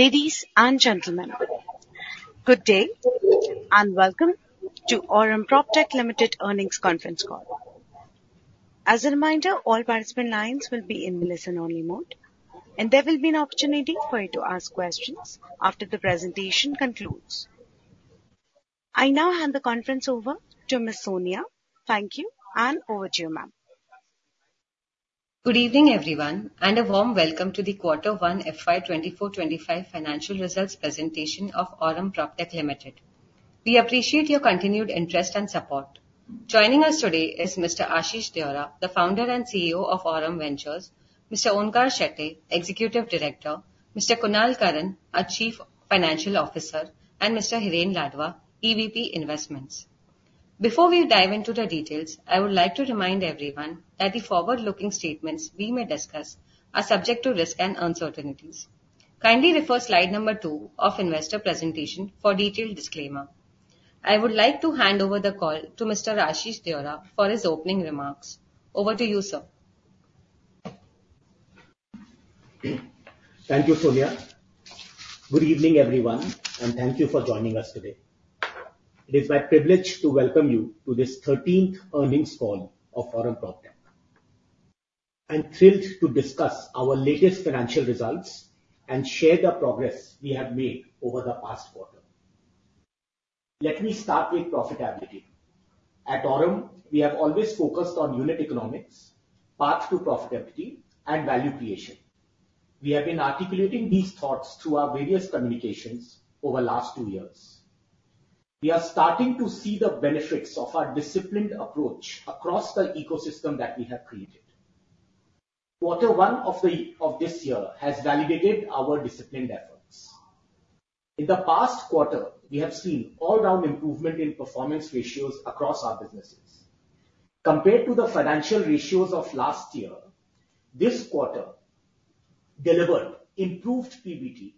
Ladies and gentlemen, good day, and welcome to Aurum PropTech Limited earnings conference call. As a reminder, all participant lines will be in listen-only mode, and there will be an opportunity for you to ask questions after the presentation concludes. I now hand the conference over to Ms. Sonia. Thank you, and over to you, ma'am. Good evening, everyone, and a warm welcome to the Q1 FY 2024/2025 financial results presentation of Aurum PropTech Limited. We appreciate your continued interest and support. Joining us today is Mr. Ashish Deora, the Founder and CEO of Aurum Ventures; Mr. Onkar Shetye, Executive Director; Mr. Kunal Karan, our Chief Financial Officer; and Mr. Hiren Ladva, EVP, Investments. Before we dive into the details, I would like to remind everyone that the forward-looking statements we may discuss are subject to risks and uncertainties. Kindly refer slide number two of investor presentation for detailed disclaimer. I would like to hand over the call to Mr. Ashish Deora for his opening remarks. Over to you, sir. Thank you, Sonia. Good evening, everyone, and thank you for joining us today. It is my privilege to welcome you to this thirteenth earnings call of Aurum PropTech. I'm thrilled to discuss our latest financial results and share the progress we have made over the past quarter. Let me start with profitability. At Aurum, we have always focused on unit economics, path to profitability, and value creation. We have been articulating these thoughts through our various communications over the last two years. We are starting to see the benefits of our disciplined approach across the ecosystem that we have created. Quarter one of this year has validated our disciplined efforts. In the past quarter, we have seen all-round improvement in performance ratios across our businesses. Compared to the financial ratios of last year, this quarter delivered improved PBT,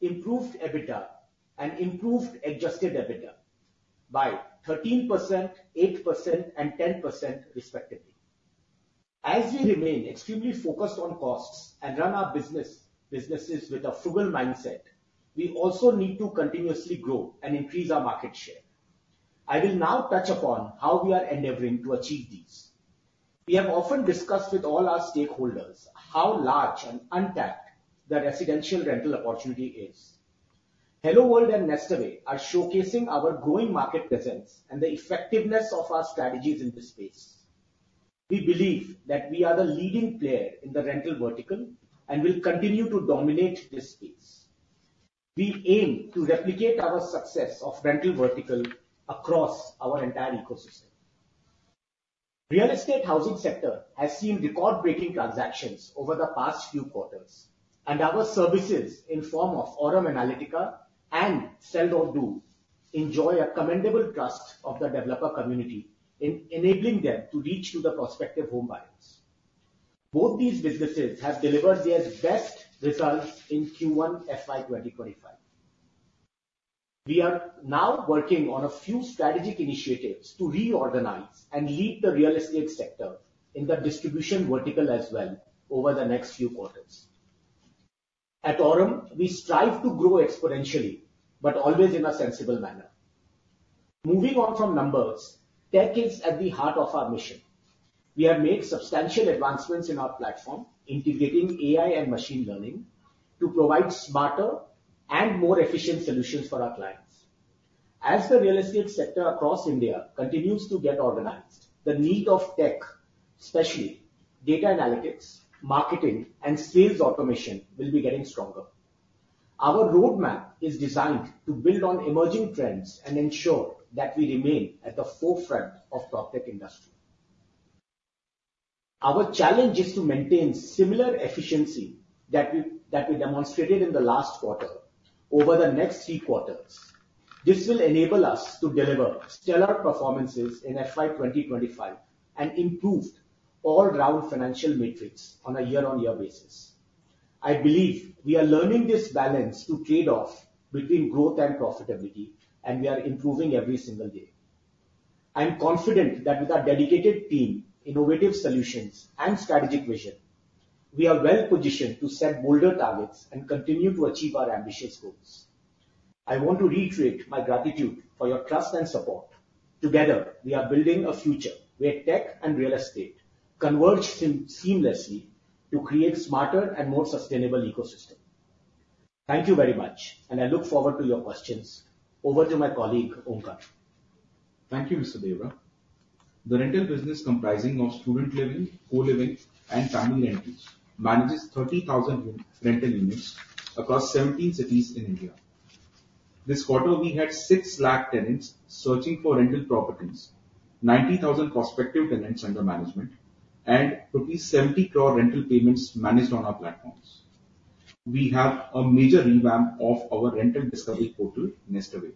improved EBITDA, and improved Adjusted EBITDA by 13%, 8%, and 10% respectively. As we remain extremely focused on costs and run our business, businesses with a frugal mindset, we also need to continuously grow and increase our market share. I will now touch upon how we are endeavoring to achieve these. We have often discussed with all our stakeholders how large and untapped the residential rental opportunity is. HelloWorld and NestAway are showcasing our growing market presence and the effectiveness of our strategies in this space. We believe that we are the leading player in the rental vertical and will continue to dominate this space. We aim to replicate our success of rental vertical across our entire ecosystem. Real estate housing sector has seen record-breaking transactions over the past few quarters, and our services, in form of Aurum Analytica and Sell.Do, enjoy a commendable trust of the developer community in enabling them to reach to the prospective home buyers. Both these businesses have delivered their best results in Q1 FY 2024/2025. We are now working on a few strategic initiatives to reorganize and lead the real estate sector in the distribution vertical as well over the next few quarters. At Aurum, we strive to grow exponentially, but always in a sensible manner. Moving on from numbers, tech is at the heart of our mission. We have made substantial advancements in our platform, integrating AI and machine learning, to provide smarter and more efficient solutions for our clients. As the real estate sector across India continues to get organized, the need of tech, especially data analytics, marketing, and sales automation, will be getting stronger. Our roadmap is designed to build on emerging trends and ensure that we remain at the forefront of PropTech industry. Our challenge is to maintain similar efficiency that we demonstrated in the last quarter over the next three quarters. This will enable us to deliver stellar performances in FY 2025 and improved all-round financial metrics on a year-on-year basis. I believe we are learning this balance to trade off between growth and profitability, and we are improving every single day. I am confident that with our dedicated team, innovative solutions, and strategic vision, we are well positioned to set bolder targets and continue to achieve our ambitious goals. I want to reiterate my gratitude for your trust and support. Together, we are building a future where tech and real estate converge seamlessly to create smarter and more sustainable ecosystem. Thank you very much, and I look forward to your questions. Over to my colleague, Onkar. Thank you, Mr. Deora. The rental business, comprising of student living, co-living, and family rentals, manages 30,000 rental units across 17 cities in India. This quarter, we had 600,000 tenants searching for rental properties, 90,000 prospective tenants under management, and rupees 70 crore rental payments managed on our platforms. We have a major revamp of our rental discovery portal, NestAway.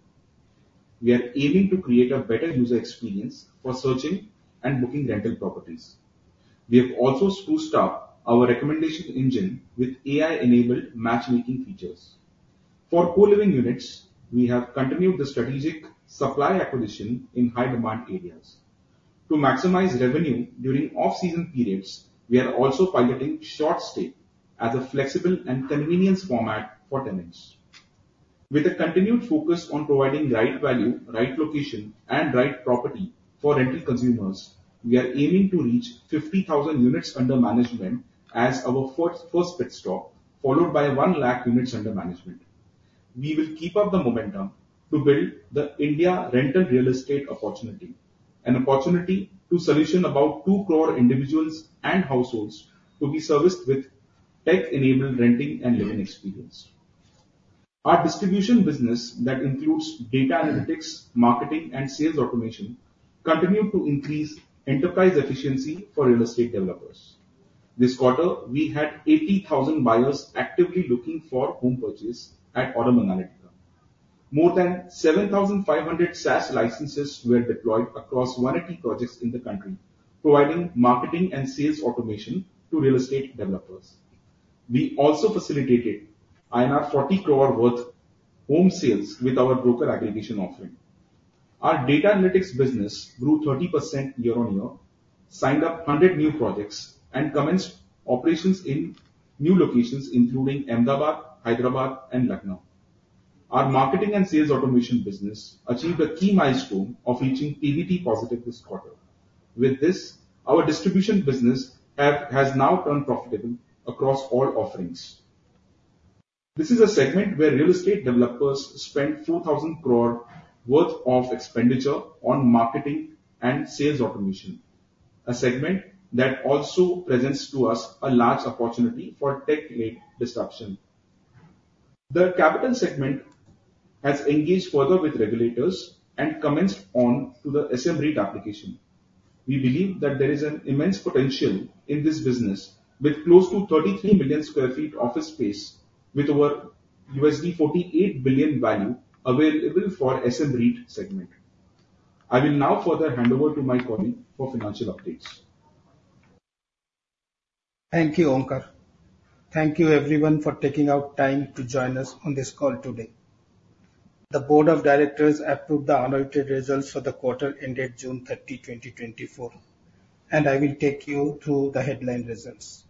We are aiming to create a better user experience for searching and booking rental properties. We have also spruced up our recommendation engine with AI-enabled matchmaking features. For co-living units, we have continued the strategic supply acquisition in high-demand areas.... To maximize revenue during off-season periods, we are also piloting short stay as a flexible and convenient format for tenants. With a continued focus on providing right value, right location, and right property for rental consumers, we are aiming to reach 50,000 units under management as our first, first pit stop, followed by 100,000 units under management. We will keep up the momentum to build the India rental real estate opportunity, an opportunity to solution about 20,000,000 individuals and households to be serviced with tech-enabled renting and living experience. Our distribution business, that includes data analytics, marketing, and sales automation, continue to increase enterprise efficiency for real estate developers. This quarter, we had 80,000 buyers actively looking for home purchase at Aurum Analytica. More than 7,500 SaaS licenses were deployed across 180 projects in the country, providing marketing and sales automation to real estate developers. We also facilitated INR 40 crore worth home sales with our broker aggregation offering. Our data analytics business grew 30% year-on-year, signed up 100 new projects, and commenced operations in new locations, including Ahmedabad, Hyderabad, and Lucknow. Our marketing and sales automation business achieved a key milestone of reaching EBT positive this quarter. With this, our distribution business has now turned profitable across all offerings. This is a segment where real estate developers spend 4,000 crore worth of expenditure on marketing and sales automation, a segment that also presents to us a large opportunity for tech-led disruption. The capital segment has engaged further with regulators and commenced on to the SM REIT application. We believe that there is an immense potential in this business, with close to 33 million sq ft office space with over $48 billion value available for SM REIT segment. I will now further hand over to my colleague for financial updates. Thank you, Onkar. Thank you everyone for taking out time to join us on this call today. The board of directors approved the unaudited results for the quarter ended June 30, 2024, and I will take you through the headline results.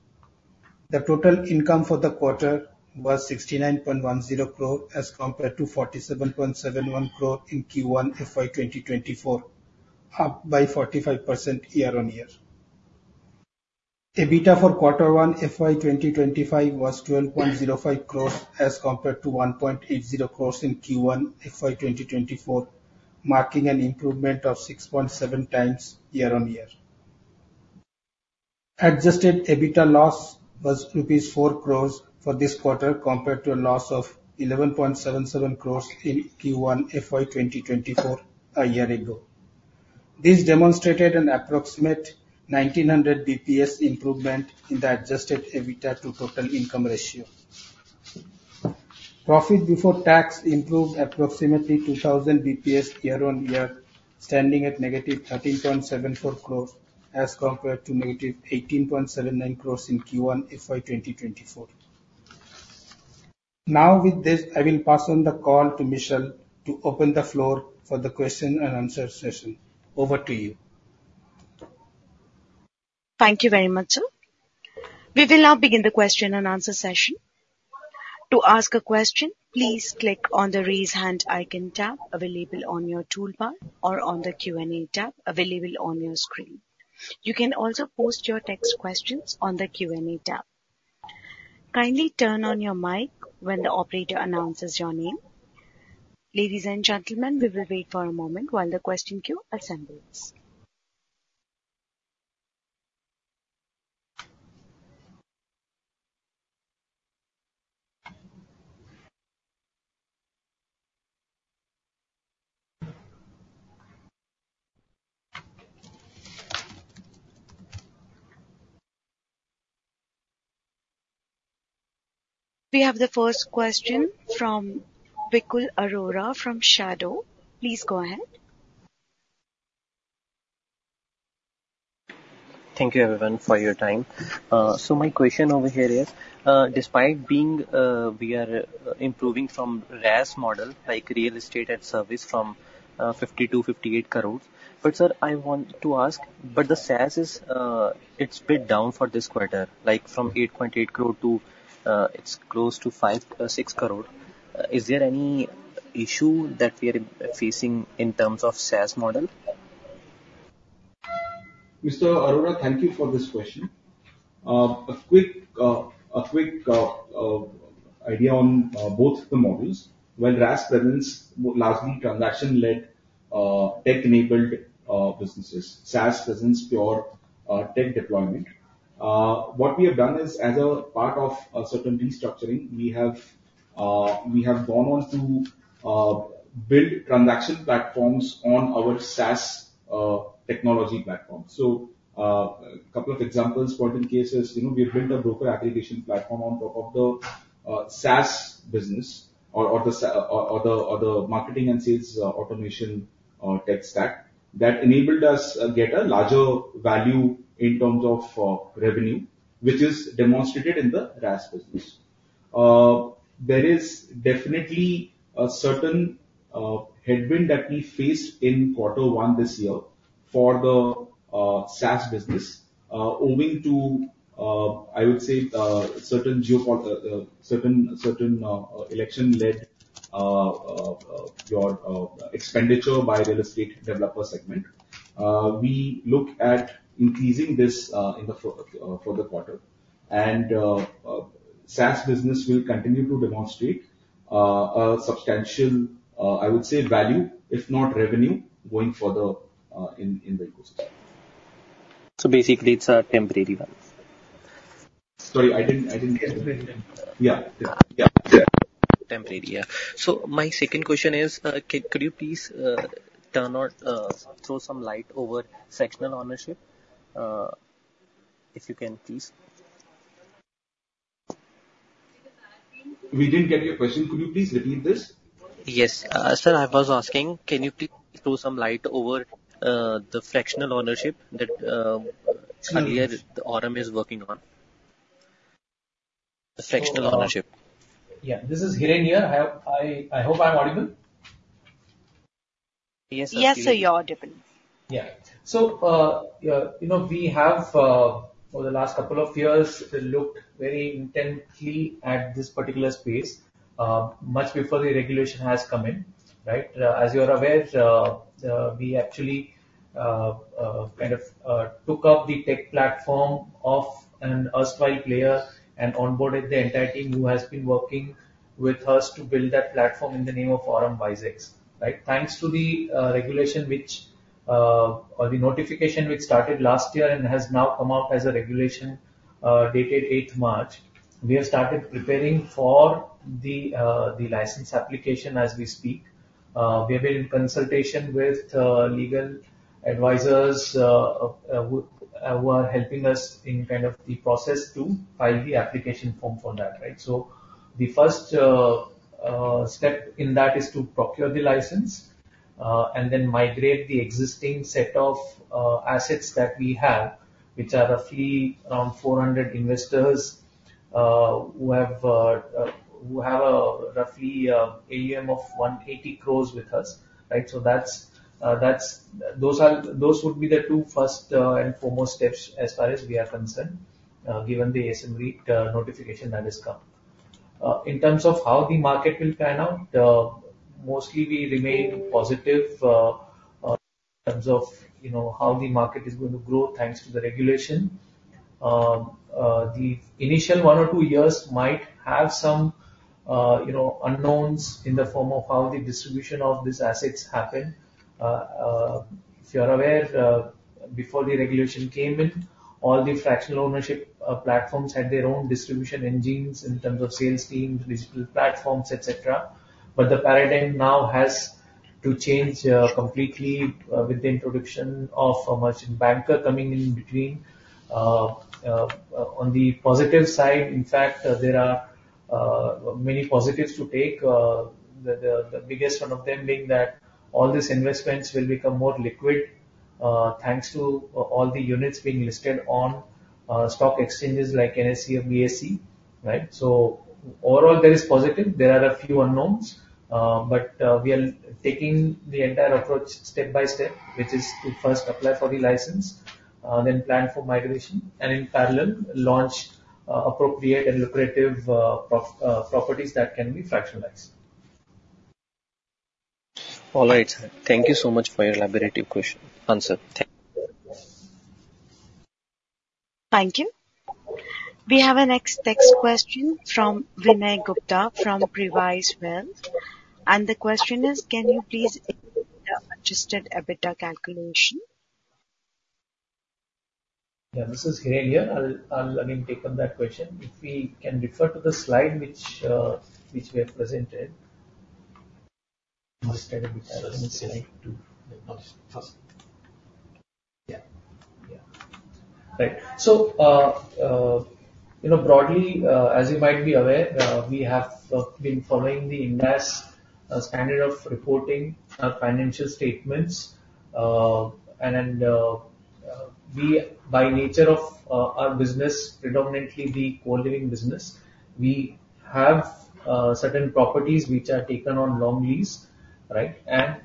The total income for the quarter was 69.10 crore, as compared to 47.71 crore in Q1 FY 2024, up by 45% year-on-year. EBITDA for quarter one FY 2025 was 12.05 crores, as compared to 1.80 crores in Q1 FY 2024, marking an improvement of 6.7 times year-on-year. Adjusted EBITDA loss was rupees 4 crores for this quarter, compared to a loss of 11.77 crores in Q1 FY 2024, a year ago. This demonstrated an approximate 1,900 basis points improvement in the Adjusted EBITDA to total income ratio. Profit before tax improved approximately 2,000 basis points year-on-year, standing at -13.74 crores, as compared to -18.79 crores in Q1 FY 2024. Now, with this, I will pass on the call to Michelle to open the floor for the question and answer session. Over to you. Thank you very much, sir. We will now begin the question and answer session. To ask a question, please click on the Raise Hand icon tab available on your toolbar or on the Q&A tab available on your screen. You can also post your text questions on the Q&A tab. Kindly turn on your mic when the operator announces your name. Ladies and gentlemen, we will wait for a moment while the question queue assembles. We have the first question from Vikul Arora from Shadow. Please go ahead. Thank you everyone for your time. So my question over here is, despite being, we are improving from RaaS model, like real estate and service from 50 crore-58 crore. But sir, I want to ask, but the SaaS is, it's bit down for this quarter, like from 8.8 crore to, it's close to 5 crore, 6 crore. Is there any issue that we are facing in terms of SaaS model? Mr. Arora, thank you for this question. A quick idea on both the models. While RaaS presents largely transaction-led, tech-enabled businesses, SaaS presents pure tech deployment. What we have done is, as a part of a certain restructuring, we have gone on to build transaction platforms on our SaaS technology platform. So, a couple of examples, point in cases, you know, we've built a broker aggregation platform on top of the SaaS business or the marketing and sales automation tech stack. That enabled us get a larger value in terms of revenue, which is demonstrated in the RaaS business.... there is definitely a certain headwind that we faced in quarter one this year for the SaaS business owing to, I would say, certain election-led lower expenditure by real estate developer segment. We look at increasing this in the future for the quarter. SaaS business will continue to demonstrate a substantial, I would say value, if not revenue, going forward in the ecosystem. So basically, it's a temporary one? Sorry, I didn't get... Yeah. Yeah. Yeah. Temporary, yeah. So my second question is, could you please throw some light on fractional ownership? If you can, please. We didn't get your question. Could you please repeat this? Yes. Sir, I was asking, can you please throw some light on the fractional ownership that earlier Aurum is working on? The fractional ownership. Yeah. This is Hiren here. I hope I'm audible. Yes, sir. Yes, sir, you are audible. Yeah. So, you know, we have, for the last couple of years, looked very intently at this particular space, much before the regulation has come in, right? As you are aware, we actually, kind of, took up the tech platform of an erstwhile player and onboarded the entire team who has been working with us to build that platform in the name of Aurum WiseX. Right? Thanks to the regulation which, or the notification which started last year and has now come out as a regulation, dated eighth March, we have started preparing for the license application as we speak. We are in consultation with legal advisors, who are helping us in kind of the process to file the application form for that, right? So the first step in that is to procure the license, and then migrate the existing set of assets that we have, which are roughly around 400 investors, who have a roughly AUM of 180 crore with us, right? So that's, that's—those are, those would be the two first and foremost steps as far as we are concerned, given the SEBI notification that has come. In terms of how the market will pan out, mostly we remain positive, in terms of, you know, how the market is going to grow, thanks to the regulation. The initial one or two years might have some, you know, unknowns in the form of how the distribution of these assets happen. If you are aware, before the regulation came in, all the fractional ownership platforms had their own distribution engines in terms of sales teams, digital platforms, et cetera. But the paradigm now has to change completely, with the introduction of a merchant banker coming in between. On the positive side, in fact, there are many positives to take, the biggest one of them being that all these investments will become more liquid, thanks to all the units being listed on stock exchanges like NSE and BSE, right? So overall, there is positive. There are a few unknowns, but we are taking the entire approach step by step, which is to first apply for the license, then plan for migration, and in parallel, launch appropriate and lucrative properties that can be fractionalized. All right, sir. Thank you so much for your elaborate question, answer. Thank you. Thank you. We have our next next question from Vinay Gupta, from Previse Wealth. The question is, can you please explain the Adjusted EBITDA calculation? Yeah, this is Hiren here. I'll, I'll again take on that question. If we can refer to the slide which, which we have presented. I think it's slide 2. The first. Yeah. Yeah. Right. So, you know, broadly, as you might be aware, we have been following the Ind AS standard of reporting financial statements. And then, we, by nature of our business, predominantly the co-living business, we have certain properties which are taken on long lease, right? And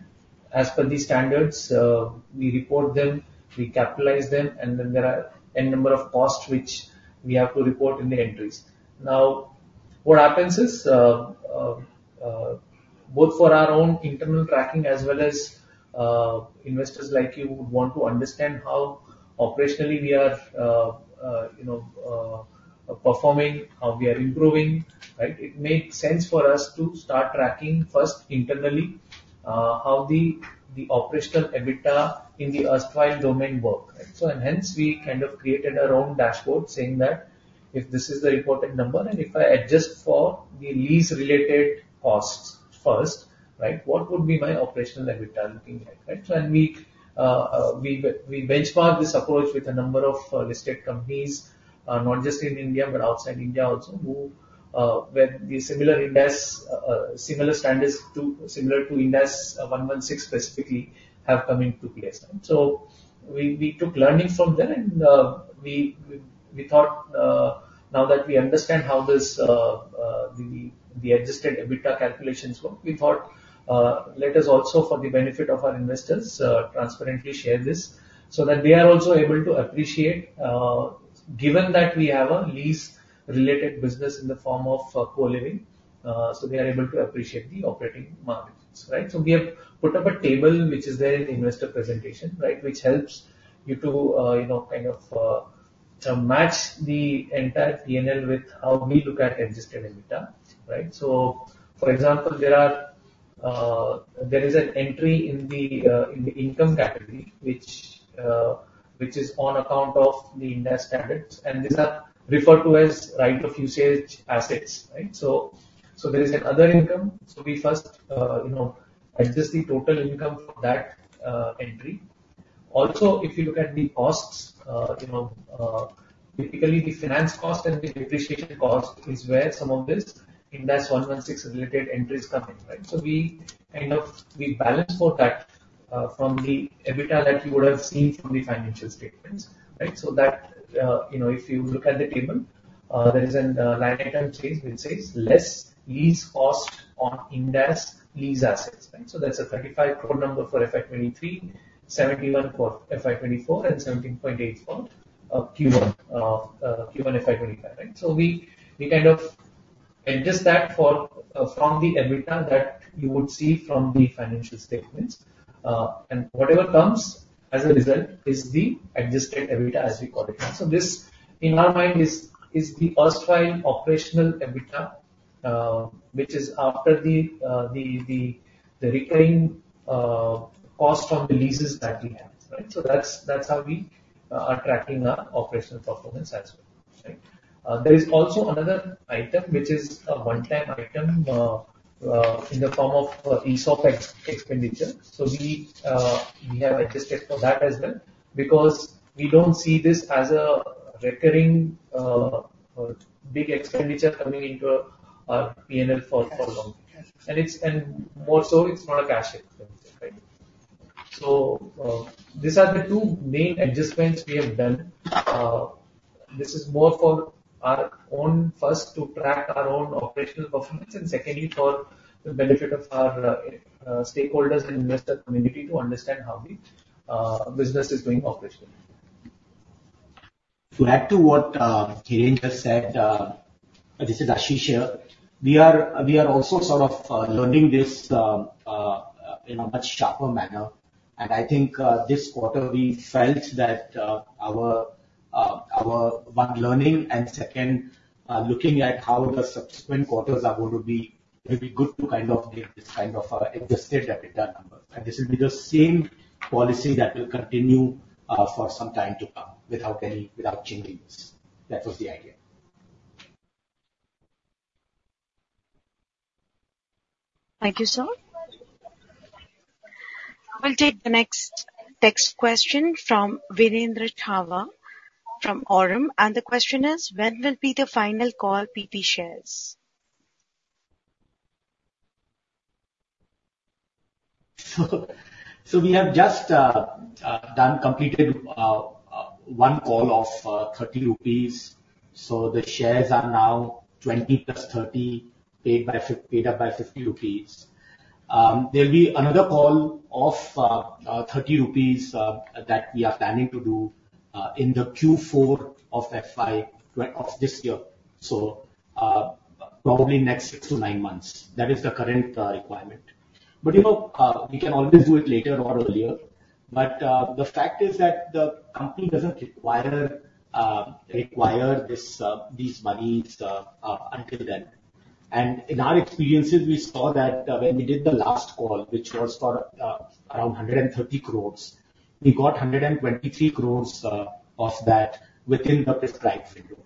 as per the standards, we report them, we capitalize them, and then there are n number of costs which we have to report in the entries. Now, what happens is, both for our own internal tracking as well as investors like you who want to understand how operationally we are, you know, performing, how we are improving, right? It makes sense for us to start tracking, first internally, how the operational EBITDA in the erstwhile domain work. And hence, we kind of created our own dashboard, saying that if this is the reported number, and if I adjust for the lease-related costs first, right, what would be my operational EBITDA looking like, right? And we benchmark this approach with a number of listed companies, not just in India, but outside India also, who, where similar standards to Ind AS 116 specifically have come into place. So we took learning from them, and we thought, now that we understand how this... The Adjusted EBITDA calculations were, we thought, let us also for the benefit of our investors, transparently share this so that they are also able to appreciate, given that we have a lease-related business in the form of, co-living, so they are able to appreciate the operating margins, right? So we have put up a table, which is there in the investor presentation, right, which helps you to, you know, kind of, to match the entire PNL with how we look at Adjusted EBITDA, right? So, for example, there are, there is an entry in the, in the income category, which, which is on account of the Ind AS standards, and these are referred to as right-of-use assets, right? So, so there is another income. So we first, you know, adjust the total income for that entry. Also, if you look at the costs, you know, typically the finance cost and the depreciation cost is where some of this Ind AS 116-related entry is coming, right? So we kind of, we balance for that, from the EBITDA that you would have seen from the financial statements, right? So that, you know, if you look at the table, there is a line item change, which says less lease cost on Ind AS lease assets, right? So that's a 35 crore number for FY 2023, 71 for FY 2024, and 17.8 for Q1 FY 2025, right? So we, we kind of adjust that for, from the EBITDA that you would see from the financial statements. And whatever comes as a result is the Adjusted EBITDA, as we call it. So this, in our mind, is the first full operational EBITDA, which is after the recurring cost from the leases that we have, right? So that's how we are tracking our operational performance as well, right? There is also another item, which is a one-time item, in the form of ESOP expenditure. So we have adjusted for that as well, because we don't see this as a recurring big expenditure coming into our PNL for long. And it's, and more so, it's not a cash expenditure, right? So these are the two main adjustments we have done. This is more for our own, first, to track our own operational performance, and secondly, for the benefit of our stakeholders and investor community to understand how the business is doing operationally. To add to what Hiren just said, this is Ashish here. We are also sort of learning this in a much sharper manner. And I think this quarter, we felt that our one learning, and second, looking at how the subsequent quarters are going to be, it'll be good to kind of get this kind of Adjusted EBITDA numbers. And this will be the same policy that will continue for some time to come, without any—without changing this. That was the idea. Thank you, sir. We'll take the next text question from Virendra Chawla from Aurum, and the question is: When will be the final call PP shares? So we have just completed one call of 30 crore rupees. So the shares are now 20 + 30, paid up by 50 crore rupees. There'll be another call of 30 crore rupees that we are planning to do in the Q4 of FY of this year. So probably next six to nine months. That is the current requirement. But you know we can always do it later or earlier. But the fact is that the company doesn't require these monies until then. And in our experiences, we saw that when we did the last call, which was for around 130 crore, we got 123 crore of that within the prescribed window.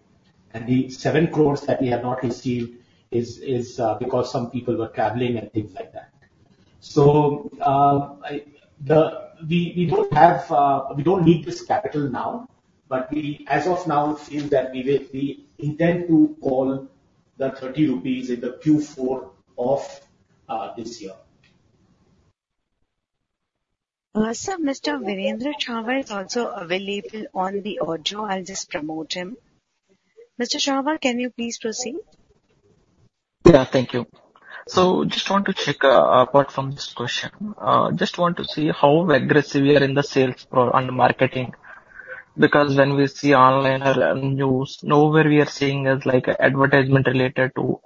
The 7 crore that we have not received is because some people were traveling and things like that. So, we don't need this capital now, but we, as of now, feel that we intend to call the 30 crore rupees in the Q4 of this year. Sir, Mr. Virendra Chawla is also available on the audio. I'll just promote him. Mr. Chawla, can you please proceed? Yeah, thank you. So just want to check, apart from this question, just want to see how aggressive we are in the sales promo on the marketing. Because when we see online or news, nowhere we are seeing is, like, advertisement related to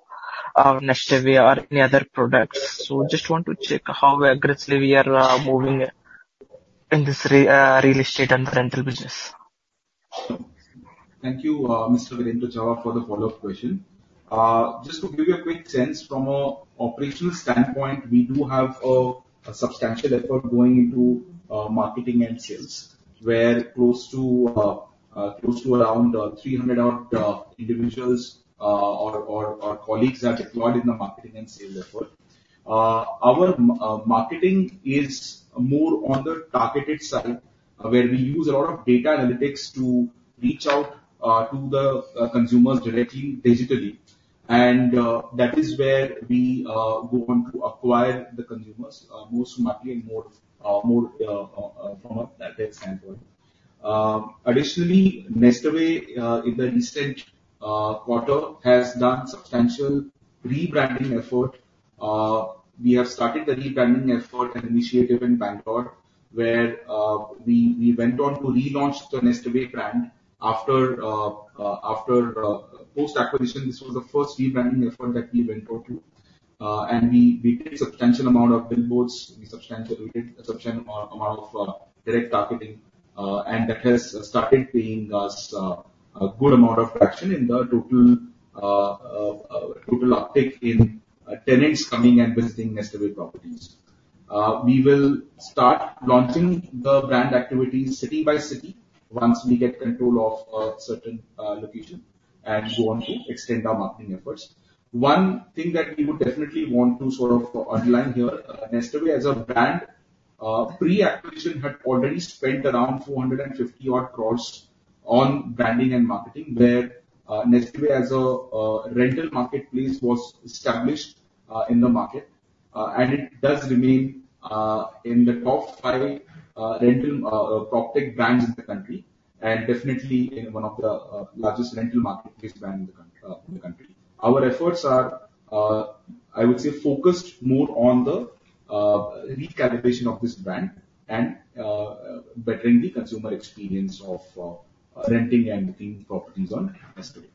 NestAway or any other products. So just want to check how aggressively we are moving in this real estate and rental business. Thank you, Mr. Virendra Chawla, for the follow-up question. Just to give you a quick sense from an operational standpoint, we do have a substantial effort going into marketing and sales, where close to around 300-odd individuals or colleagues are deployed in the marketing and sales effort. Our marketing is more on the targeted side, where we use a lot of data analytics to reach out to the consumers directly, digitally. And that is where we go on to acquire the consumers more smartly and more from a direct standpoint.... Additionally, NestAway, in the recent quarter, has done substantial rebranding effort. We have started the rebranding effort and initiative in Bangalore, where we went on to relaunch the NestAway brand after post-acquisition. This was the first rebranding effort that we went on to. We did a substantial amount of billboards. We substantially did a substantial amount of direct marketing, and that has started bringing us a good amount of traction in the total uptick in tenants coming and visiting NestAway properties. We will start launching the brand activities city by city once we get control of certain location, and go on to extend our marketing efforts. One thing that we would definitely want to sort of underline here, NestAway as a brand, pre-acquisition had already spent around 450 crore-odd on branding and marketing, where, NestAway as a rental marketplace was established, in the market. And it does remain, in the top five rental PropTech brands in the country, and definitely in one of the largest rental marketplace brand in the country, in the country. Our efforts are, I would say focused more on the recalibration of this brand and bettering the consumer experience of renting and buying properties on NestAway.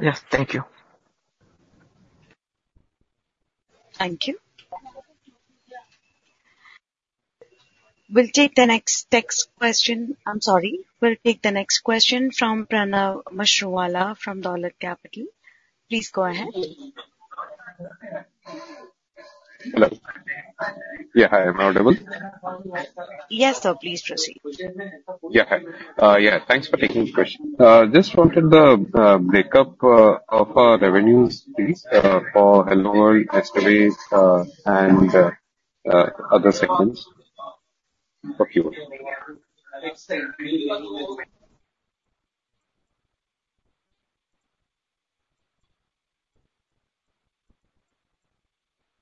Yes. Thank you. Thank you. We'll take the next text question. I'm sorry. We'll take the next question from Pranav Mashruwala from Dolat Capital. Please go ahead. Hello. Yeah, hi, am I audible? Yes, sir. Please proceed. Yeah, hi. Yeah, thanks for taking the question. Just wanted the makeup of our revenues, please, for HelloWorld, NestAway, and other segments. Thank you.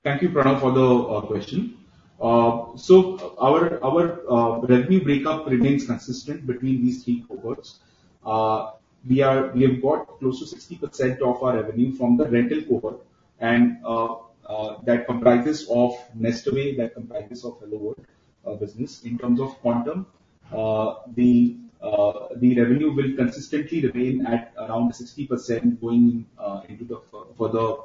Thank you, Pranav, for the question. Our revenue breakup remains consistent between these three cohorts. We have got close to 60% of our revenue from the rental cohort, and that comprises of NestAway, that comprises of HelloWorld business. In terms of quantum, the revenue will consistently remain at around 60% going into the future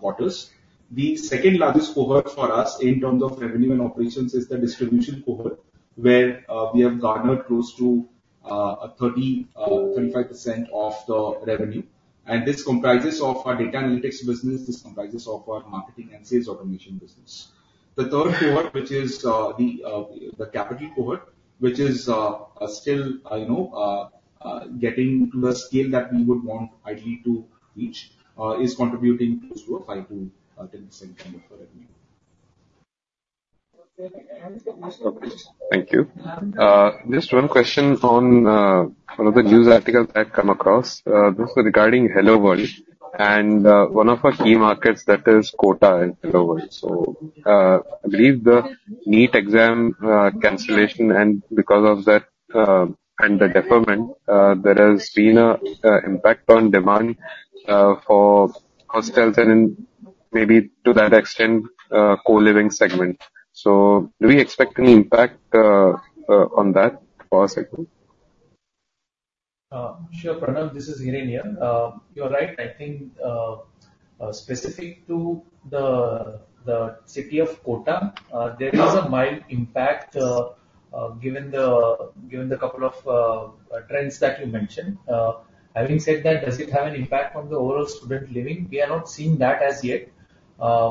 quarters. The second largest cohort for us in terms of revenue and operations is the distribution cohort, where we have garnered close to 35% of the revenue. This comprises of our data analytics business, this comprises of our marketing and sales automation business. The third cohort, which is the capital cohort, which is still, I know, getting to the scale that we would want ideally to reach, is contributing close to 5%-10% of the revenue. Thank you. Just one question on one of the news articles I've come across. This is regarding HelloWorld, and one of our key markets that is Kota in HelloWorld. So, I believe the NEET exam cancellation, and because of that, and the deferment, there has been a impact on demand for hostels and in maybe to that extent, co-living segment. So do we expect any impact on that for our segment? Sure, Pranav, this is Hiren Ladva. You're right. I think, specific to the city of Kota, there is a mild impact, given the couple of trends that you mentioned. Having said that, does it have an impact on the overall student living? We are not seeing that as yet.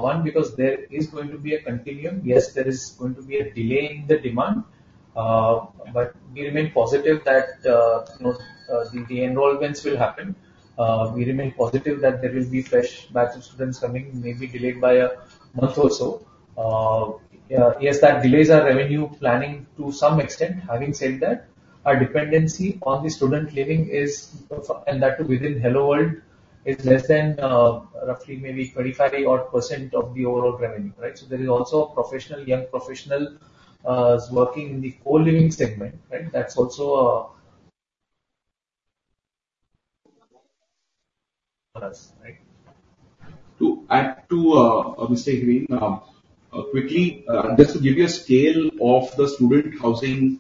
One, because there is going to be a continuum. Yes, there is going to be a delay in the demand, but we remain positive that, you know, the enrollments will happen. We remain positive that there will be fresh batch of students coming, maybe delayed by a month or so. Yes, that delays our revenue planning to some extent. Having said that, our dependency on the student living and that within HelloWorld is less than, roughly maybe 25% odd of the overall revenue, right? So there is also a professional, young professional, working in the co-living segment, right? That's also for us, right. To add to Mr. Hiren, quickly, just to give you a scale of the student housing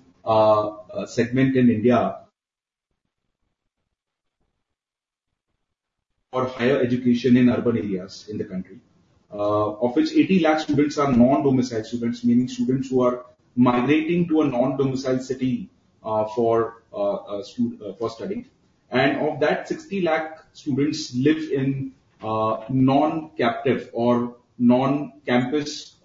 segment in India for higher education in urban areas in the country. Of which 80 lakh students are non-domiciled students, meaning students who are migrating to a non-domiciled city for studying. And of that, 60 lakh students live in non-captive or non-campus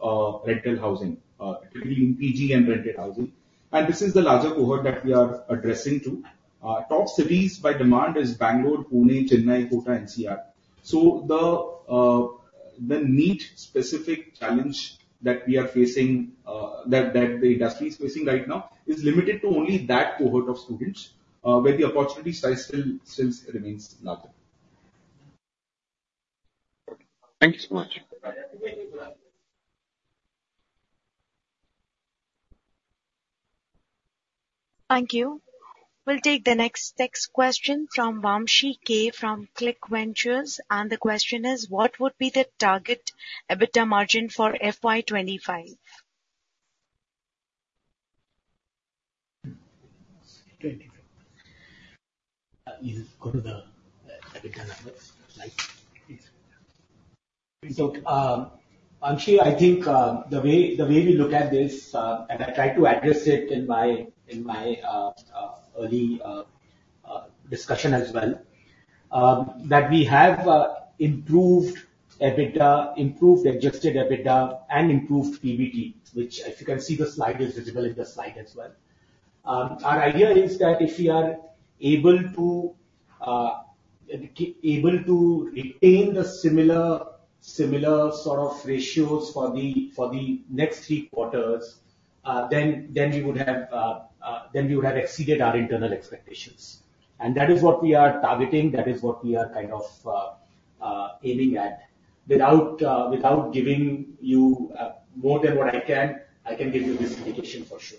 rental housing, typically in PG and rental housing, and this is the larger cohort that we are addressing to. Top cities by demand is Bangalore, Pune, Chennai, Kota, NCR. So the NEET specific challenge that we are facing, that the industry is facing right now, is limited to only that cohort of students, where the opportunity size still remains larger.... Thank you so much. Thank you. We'll take the next, next question from Vamshi K from Click Ventures, and the question is: What would be the target EBITDA margin for FY 2025? 25. You go to the EBITDA slide, please. So, Vamshi, I think the way we look at this, and I tried to address it in my earlier discussion as well, that we have improved EBITDA, improved Adjusted EBITDA and improved PBT, which as you can see is visible in the slide as well. Our idea is that if we are able to retain the similar sort of ratios for the next three quarters, then we would have exceeded our internal expectations. That is what we are targeting, that is what we are kind of aiming at. Without giving you more than what I can, I can give you this indication for sure.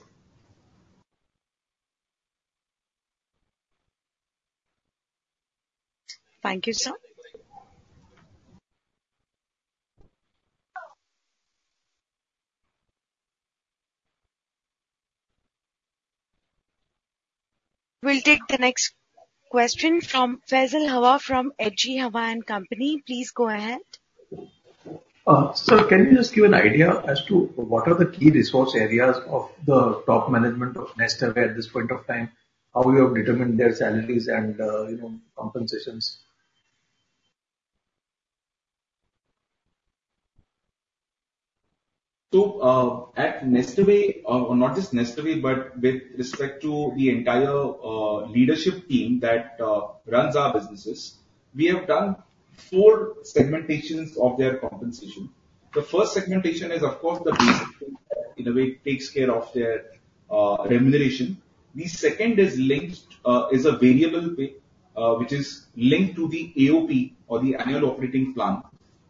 Thank you, sir. We'll take the next question from Faisal Hawa from H.G. Hawa & Company. Please go ahead. Sir, can you just give an idea as to what are the key resource areas of the top management of NestAway at this point of time? How you have determined their salaries and, you know, compensations? So, at NestAway, or not just NestAway, but with respect to the entire leadership team that runs our businesses, we have done four segmentations of their compensation. The first segmentation is, of course, the in a way, takes care of their remuneration. The second is linked, is a variable pay, which is linked to the AOP, or the Annual Operating Plan.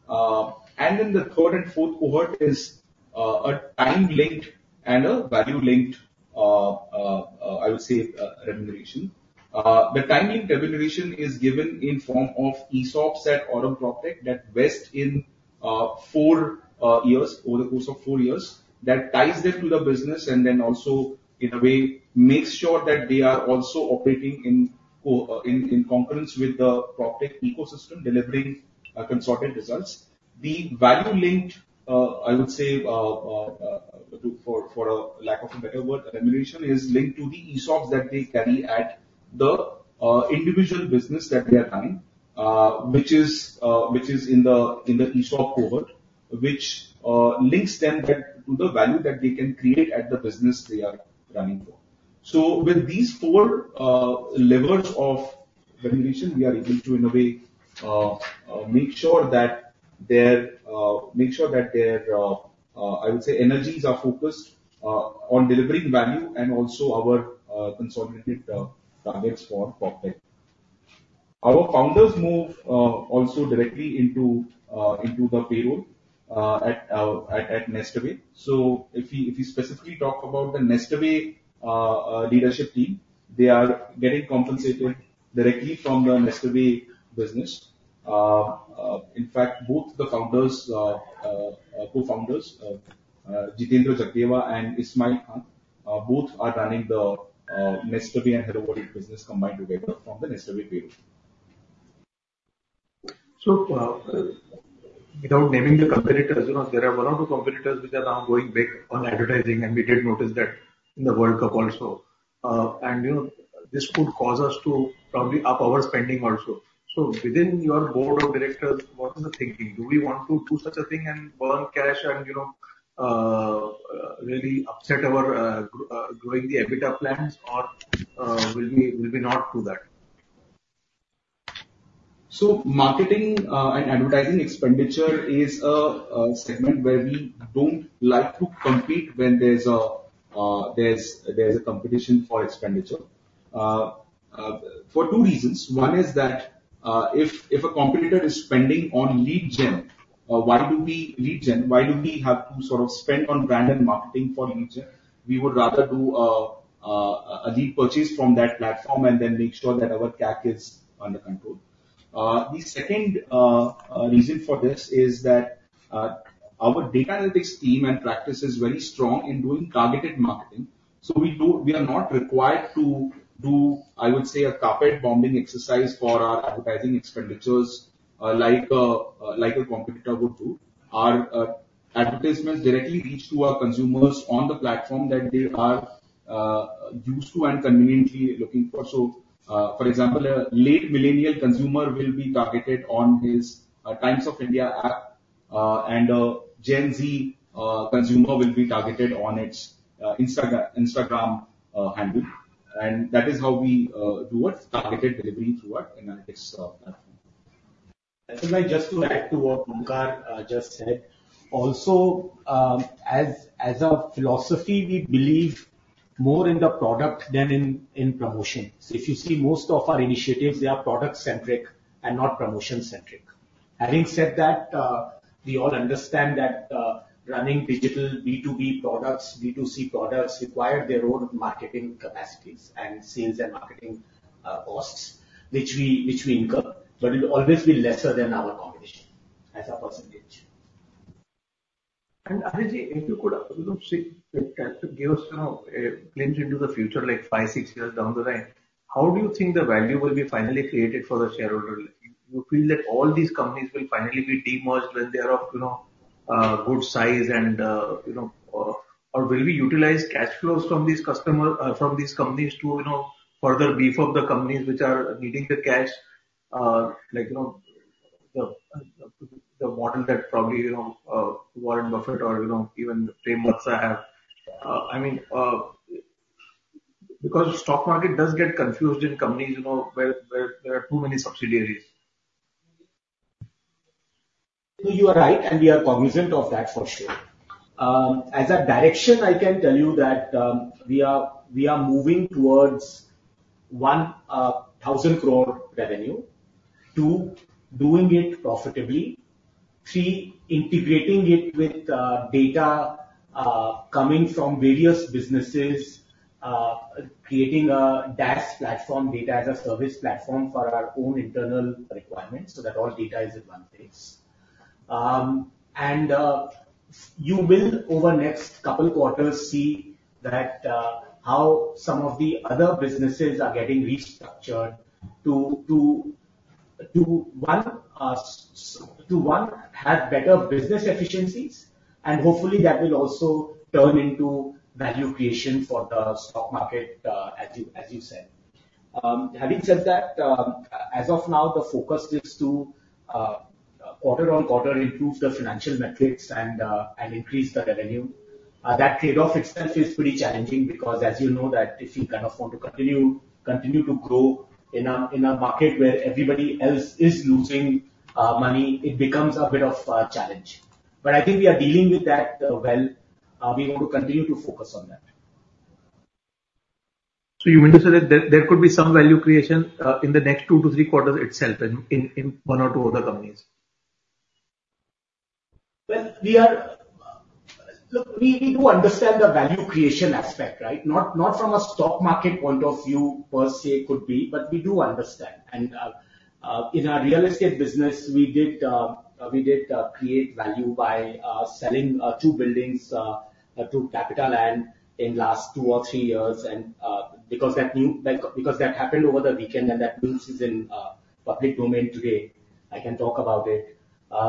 And then the third and fourth cohort is, a time-linked and a value-linked, I would say, remuneration. The time-linked remuneration is given in form of ESOPs at Aurum PropTech, that vest in four years, over the course of four years, that ties them to the business, and then also, in a way, makes sure that they are also operating in co- in, in concurrence with the PropTech ecosystem, delivering consolidated results. The value linked, I would say, to, for, for a lack of a better word, remuneration, is linked to the ESOPs that they carry at the individual business that they are running, which is in the ESOP cohort. Which links them then to the value that they can create at the business they are running for. So with these four levers of remuneration, we are able to, in a way, make sure that their energies are focused on delivering value and also our consolidated targets for PropTech. Our founders move also directly into the payroll at NestAway. So if we specifically talk about the NestAway leadership team, they are getting compensated directly from the NestAway business. In fact, both the founders, co-founders, Jitendra Jagadev and Ismail Khan, both are running the NestAway and HelloWorld business combined together from the NestAway payroll. So, without naming the competitors, you know, there are one or two competitors which are now going big on advertising, and we did notice that in the World Cup also. And, you know, this could cause us to probably up our spending also. So within your board of directors, what is the thinking? Do we want to do such a thing and burn cash and, you know, really upset our growing the EBITDA plans, or will we, will we not do that? So marketing and advertising expenditure is a segment where we don't like to compete when there's a competition for expenditure. For two reasons. One is that, if a competitor is spending on lead gen, why do we lead gen? Why do we have to sort of spend on brand and marketing for lead gen? We would rather do a lead purchase from that platform and then make sure that our CAC is under control. The second reason for this is that, our data analytics team and practice is very strong in doing targeted marketing. So we are not required to do, I would say, a carpet bombing exercise for our advertising expenditures, like a competitor would do. Our advertisements directly reach our consumers on the platform that they are used to and conveniently looking for. So, for example, a late millennial consumer will be targeted on his Times of India app, and a Gen Z consumer will be targeted on its Instagram handle. And that is how we do our targeted delivery through our analytics platform. Just to add to what Onkar just said, also, as a philosophy, we believe-... more in the product than in promotion. So if you see most of our initiatives, they are product-centric and not promotion-centric. Having said that, we all understand that running digital B2B products, B2C products require their own marketing capacities and sales and marketing costs, which we incur, but it will always be lesser than our competition as a percentage. Ajay ji, if you could, you know, see, kind of give us, you know, a glimpse into the future, like five, six years down the line, how do you think the value will be finally created for the shareholder? You feel that all these companies will finally be de-merged when they are of, you know, good size and, you know, or, or will we utilize cash flows from these companies to, you know, further beef up the companies which are needing the cash? Like, you know, the model that probably, you know, Warren Buffett or, you know, even Ray Mursa have. I mean, because stock market does get confused in companies, you know, where there are too many subsidiaries. You are right, and we are cognizant of that for sure. As a direction, I can tell you that we are moving towards 1,000 crore revenue. Two, doing it profitably. Three, integrating it with data coming from various businesses, creating a DaaS platform, Data-as-a-Service platform, for our own internal requirements, so that all data is in one place. And you will, over the next couple quarters, see that how some of the other businesses are getting restructured to one have better business efficiencies, and hopefully that will also turn into value creation for the stock market, as you said. Having said that, as of now, the focus is to quarter on quarter improve the financial metrics and increase the revenue. That trade-off itself is pretty challenging, because as you know, that if you kind of want to continue to grow in a market where everybody else is losing money, it becomes a bit of a challenge. But I think we are dealing with that, well. We want to continue to focus on that. So you mean to say that there could be some value creation in the next two-three quarters itself in one or two other companies? Well, we are... Look, we need to understand the value creation aspect, right? Not, not from a stock market point of view, per se, could be, but we do understand. And, in our real estate business, we did, we did, create value by, selling, two buildings, to CapitaLand in last two or three years. And, because that new, like, because that happened over the weekend and that news is in, public domain today, I can talk about it.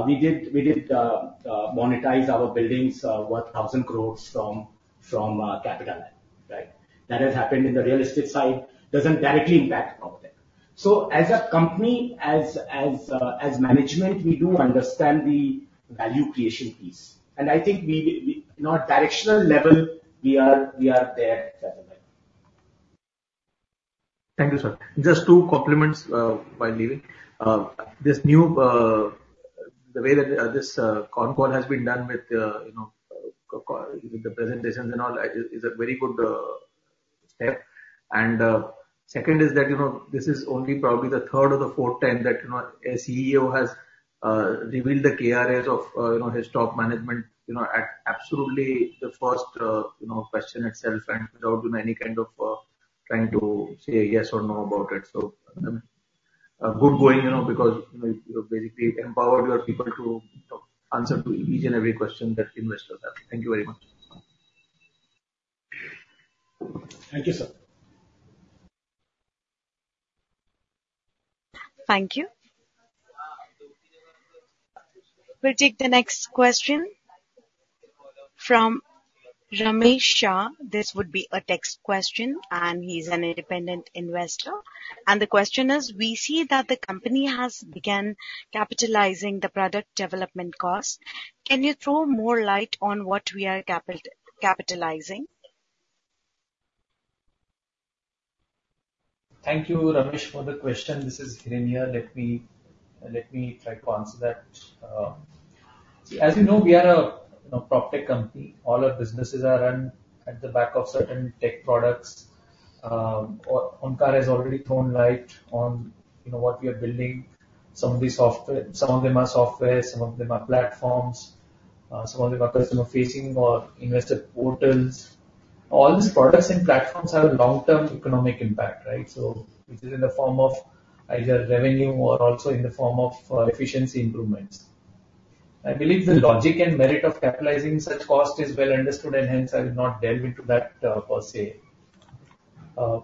We did, we did, monetize our buildings, worth 1,000 crore from, from, CapitaLand, right? That has happened in the real estate side, doesn't directly impact PropTech. So as a company, as management, we do understand the value creation piece, and I think we, you know, at directional level, we are there as well. Thank you, sir. Just two compliments while leaving. This new, the way that this con call has been done with, you know, with the presentations and all, is a very good step. Second is that, you know, this is only probably the third or the fourth time that, you know, a CEO has revealed the KRAs of, you know, his top management, you know, at absolutely the first, you know, question itself, and without doing any kind of trying to say yes or no about it. Good going, you know, because, you know, you basically empower your people to, you know, answer to each and every question that investors have. Thank you very much. Thank you, sir. Thank you. We'll take the next question from Ramesh Shah. This would be a text question, and he's an independent investor. The question is: We see that the company has begun capitalizing the product development cost. Can you throw more light on what we are capitalizing? Thank you, Ramesh, for the question. This is Hiren here. Let me, let me try to answer that. See, as you know, we are a, you know, PropTech company. All our businesses are run at the back of certain tech products. Onkar has already thrown light on, you know, what we are building. Some of the software. Some of them are software, some of them are platforms, some of them are customer-facing or investor portals. All these products and platforms have a long-term economic impact, right? So this is in the form of either revenue or also in the form of efficiency improvements. I believe the logic and merit of capitalizing such cost is well understood, and hence I will not delve into that, per se.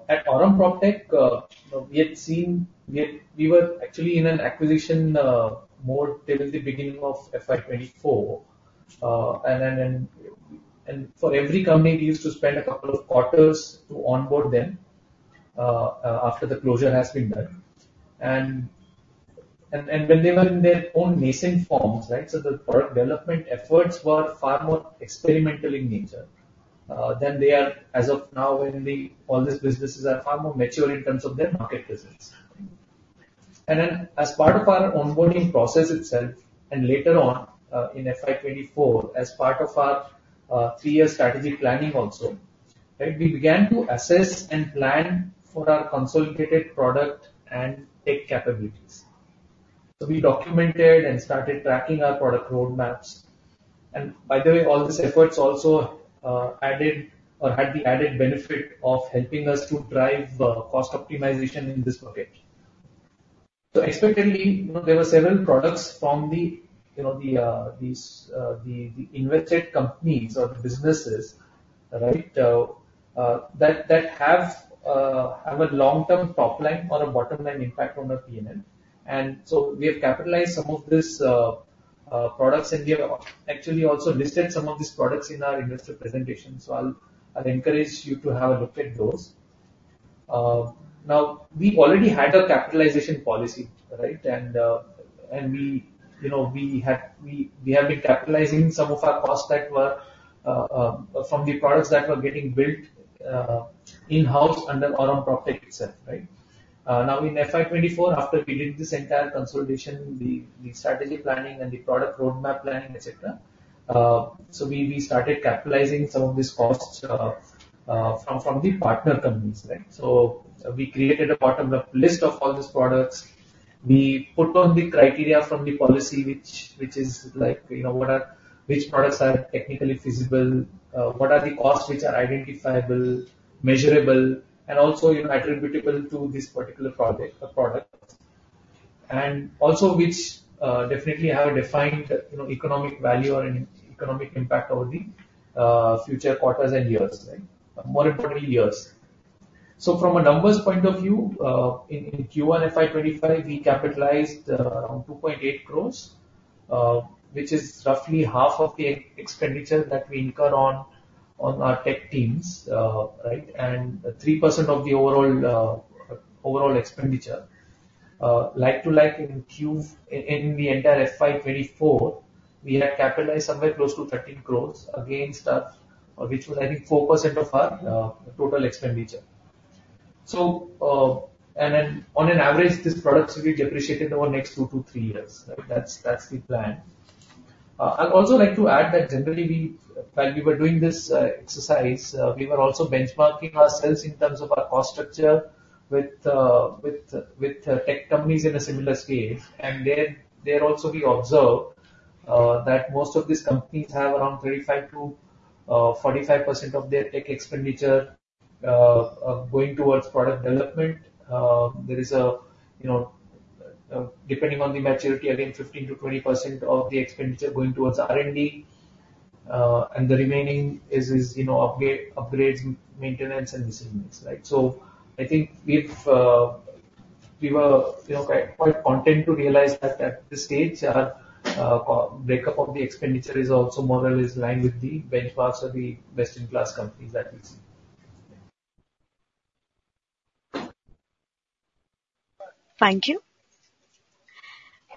At Aurum PropTech, we had seen... We were actually in an acquisition mode till the beginning of FY 2024. And then, for every company, we used to spend a couple of quarters to onboard them after the closure has been done. And when they were in their own nascent forms, right, so the product development efforts were far more experimental in nature than they are as of now, when all these businesses are far more mature in terms of their market presence. And then as part of our onboarding process itself, and later on in FY 2024, as part of our three-year strategy planning also, right, we began to assess and plan for our consolidated product and tech capabilities. So we documented and started tracking our product roadmaps. By the way, all these efforts also added or had the added benefit of helping us to drive cost optimization in this market. So expectedly, you know, there were several products from the, you know, these invested companies or businesses, right, that have a long-term top line or a bottom-line impact on our P&L. And so we have capitalized some of these products, and we have actually also listed some of these products in our investor presentation. So I'll encourage you to have a look at those. Now, we already had a capitalization policy, right? And we, you know, we have been capitalizing some of our costs that were from the products that were getting built in-house under our own product itself, right? Now, in FY 2024, after we did this entire consolidation, the strategy planning and the product roadmap planning, et cetera, so we started capitalizing some of these costs from the partner companies, right? So we created a bottom-up list of all these products. We put on the criteria from the policy, which is like, you know, what are... Which products are technically feasible, what are the costs which are identifiable, measurable, and also, you know, attributable to this particular project or product. And also, which definitely have a defined, you know, economic value or an economic impact over the future quarters and years, right? More importantly, years. So from a numbers point of view, in Q1 FY 2025, we capitalized around 2.8 crore, which is roughly half of the expenditure that we incur on our tech teams, right? And 3% of the overall expenditure. Like to like, in the entire FY 2024, we had capitalized somewhere close to 13 crore, again, which was, I think, 4% of our total expenditure. So, and then on an average, these products will be depreciated over the next two-three years. Right. That's the plan. I'd also like to add that generally, we, while we were doing this exercise, we were also benchmarking ourselves in terms of our cost structure with tech companies in a similar scale. There also we observed that most of these companies have around 35%-45% of their tech expenditure going towards product development. There is, you know, depending on the maturity, again, 15%-20% of the expenditure going towards R&D, and the remaining is, you know, upgrades, maintenance, and miscellaneous, right? So I think we've, we were, you know, quite content to realize that at this stage, our breakup of the expenditure is also more or less in line with the benchmarks of the best-in-class companies that we see. Thank you.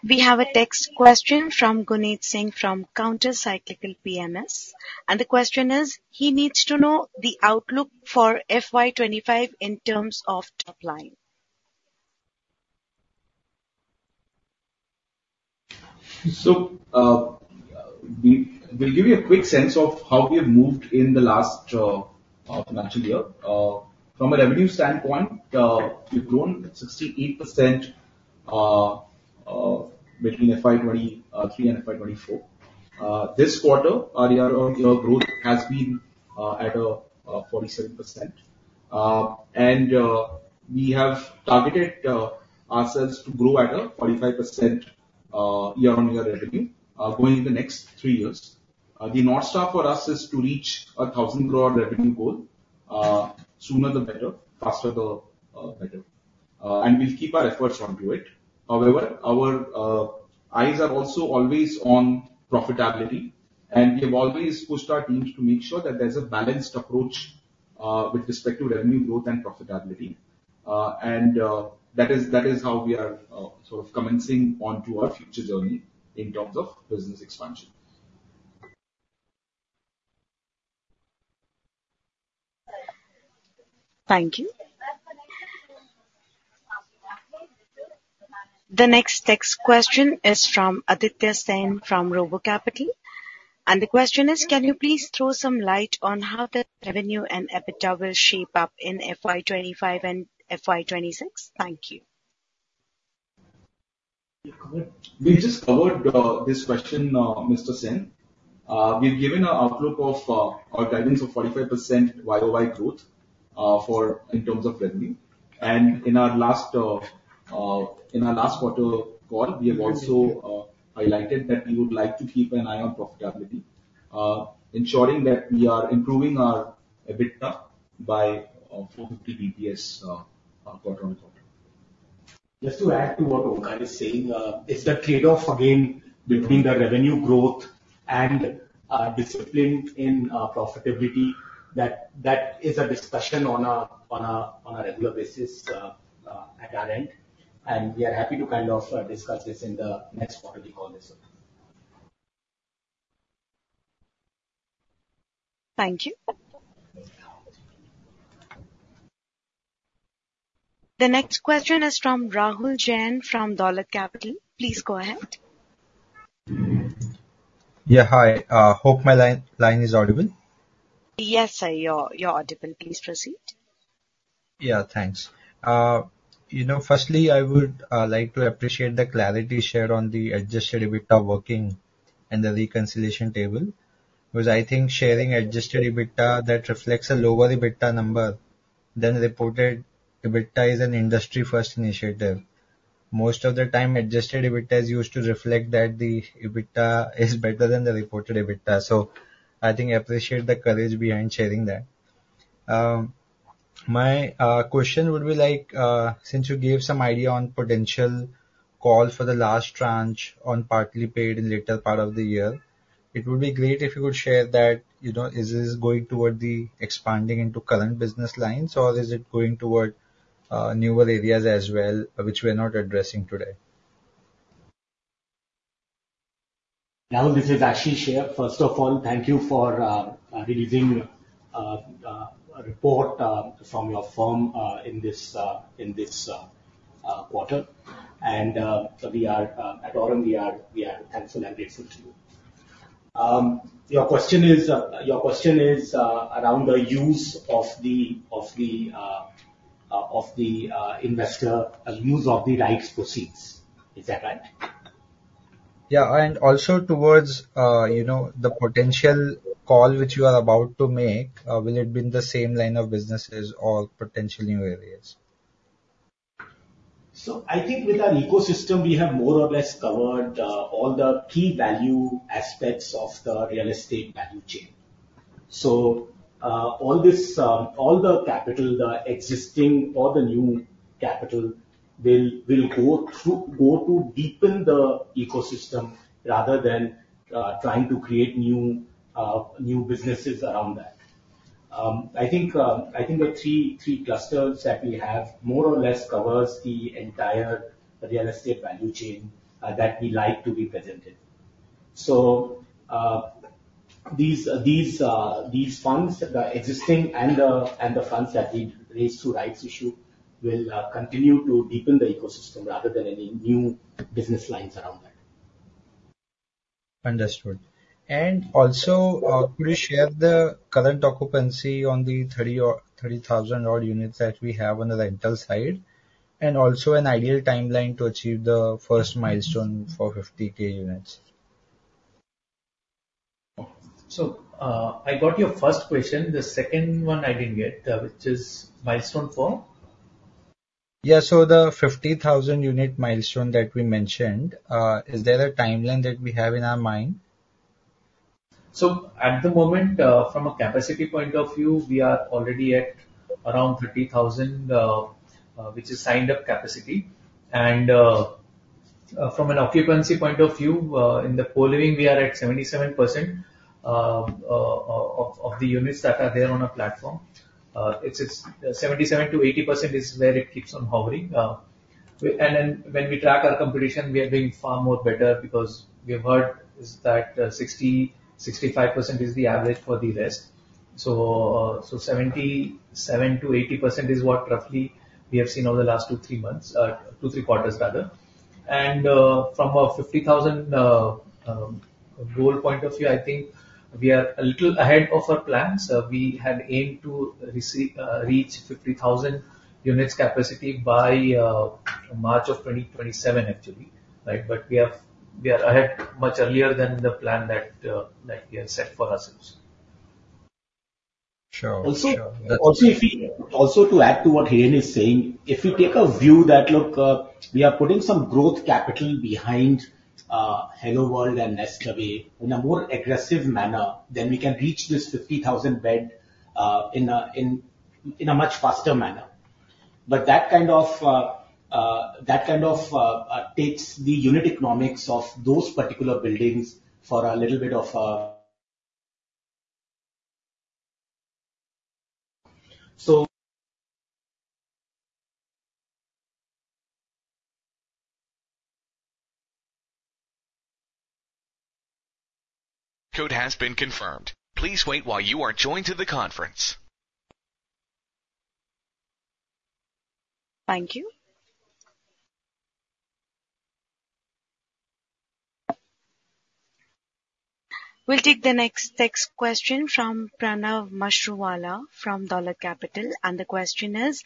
We have a text question from Guneet Singh from Countercyclical PMS, and the question is: He needs to know the outlook for FY 2025 in terms of top line. So, we'll give you a quick sense of how we have moved in the last financial year. From a revenue standpoint, we've grown 68% between FY 2023 and FY 2024. This quarter, our year-on-year growth has been at 47%. And we have targeted ourselves to grow at a 45% year-on-year revenue going in the next three years. The North Star for us is to reach an 1,000 crore revenue goal sooner the better, faster the better. And we'll keep our efforts onto it. However, our eyes are also always on profitability, and we have always pushed our teams to make sure that there's a balanced approach with respect to revenue growth and profitability. And that is, that is how we are sort of commencing onto our future journey in terms of business expansion. Thank you. The next text question is from Aditya Sen, from Robo Capital, and the question is: Can you please throw some light on how the revenue and EBITDA will shape up in FY 2025 and FY 2026? Thank you. We just covered this question, Mr. Sen. We've given an outlook of our guidance of 45% Y-o-Y growth for in terms of revenue. And in our last quarter call, we have also highlighted that we would like to keep an eye on profitability, ensuring that we are improving our EBITDA by 450 BPS quarter-on-quarter. Just to add to what Onkar is saying, it's the trade-off again between the revenue growth and discipline in profitability that is a discussion on a regular basis at our end, and we are happy to kind of discuss this in the next quarter call this way.... Thank you. The next question is from Rahul Jain from Dolat Capital. Please go ahead. Yeah, hi. Hope my line is audible? Yes, sir, you're audible. Please proceed. Yeah, thanks. You know, firstly, I would like to appreciate the clarity shared on the Adjusted EBITDA working and the reconciliation table. Because I think sharing Adjusted EBITDA that reflects a lower EBITDA number than reported EBITDA is an industry-first initiative. Most of the time, Adjusted EBITDA is used to reflect that the EBITDA is better than the reported EBITDA. So I think I appreciate the courage behind sharing that. My question would be like, since you gave some idea on potential call for the last tranche on partly paid in later part of the year, it would be great if you could share that, you know, is this going toward the expanding into current business lines, or is it going toward newer areas as well, which we're not addressing today? Rahul, this is Ashish here. First of all, thank you for releasing a report from your firm in this quarter. And so we are at Aurum, we are thankful and grateful to you. Your question is around the use of the investor use of the rights proceeds. Is that right? Yeah, and also towards, you know, the potential call which you are about to make, will it be in the same line of businesses or potential new areas? So I think with our ecosystem, we have more or less covered all the key value aspects of the real estate value chain. So all this, all the capital, the existing or the new capital, will go through, go to deepen the ecosystem rather than trying to create new new businesses around that. I think I think the three three clusters that we have more or less covers the entire real estate value chain that we like to be present in. So these these these funds, the existing and the and the funds that we raised through rights issue, will continue to deepen the ecosystem rather than any new business lines around that. Understood. And also, could you share the current occupancy on the 30 or 30,000-odd units that we have on the rental side, and also an ideal timeline to achieve the first milestone for 50K units? So, I got your first question. The second one I didn't get, which is milestone for? Yeah, so the 50,000 unit milestone that we mentioned, is there a timeline that we have in our mind? So at the moment, from a capacity point of view, we are already at around 30,000, which is signed up capacity. And, from an occupancy point of view, in the co-living, we are at 77%, of the units that are there on our platform. It's just 77%-80% is where it keeps on hovering. And then, when we track our competition, we are doing far more better because we have heard is that, 65% is the average for the rest. So, so 77%-80% is what roughly we have seen over the last two-three months, two-three quarters, rather. And, from our 50,000, goal point of view, I think we are a little ahead of our plans. We had aimed to receive, reach 50,000 units capacity by March of 2027, actually, right? But we have, we are ahead much earlier than the plan that, that we have set for ourselves. Sure. Sure. Also- Also to add to what Hiren is saying, if you take a view that, look, we are putting some growth capital behind Hello World and NestAway in a more aggressive manner, then we can reach this 50,000-bed in a much faster manner. But that kind of takes the unit economics of those particular buildings for a little bit of... So- Code has been confirmed. Please wait while you are joined to the conference. Thank you. We'll take the next question from Pranav Mashruwala, from Dolat Capital, and the question is,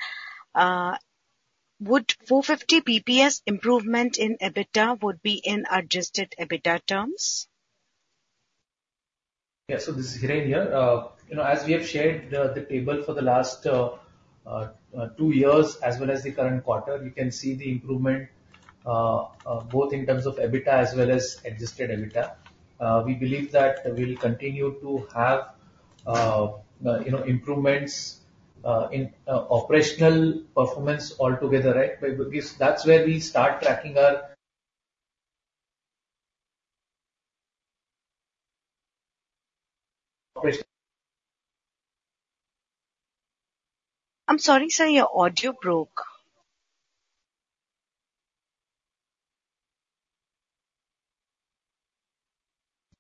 "Would 450 BPS improvement in EBITDA would be in adjusted EBITDA terms?" Yeah. So this is Hiren here. You know, as we have shared the table for the last two years as well as the current quarter, you can see the improvement both in terms of EBITDA as well as adjusted EBITDA. We believe that we'll continue to have, you know, improvements in operational performance altogether, right? Because that's where we start tracking our- I'm sorry, sir, your audio broke.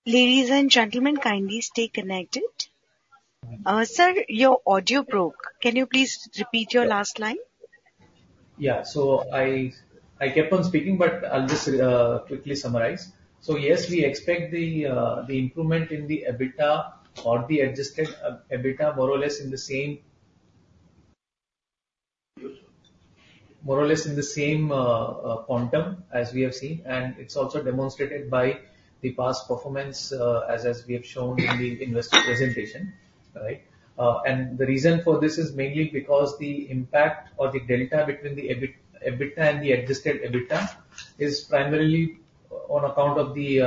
Ladies and gentlemen, kindly stay connected. Sir, your audio broke. Can you please repeat your last line? Yeah. So I kept on speaking, but I'll just quickly summarize. So, yes, we expect the improvement in the EBITDA or the Adjusted EBITDA more or less in the same, more or less in the same quantum as we have seen, and it's also demonstrated by the past performance as we have shown in the investor presentation, right? And the reason for this is mainly because the impact or the delta between the EBIT, EBITDA and the Adjusted EBITDA is primarily on account of the